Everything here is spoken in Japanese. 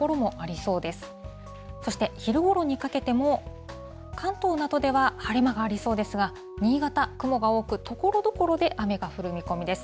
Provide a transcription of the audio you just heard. そして、昼ごろにかけても関東などでは晴れ間がありそうですが、新潟、雲が多く、ところどころで雨が降る見込みです。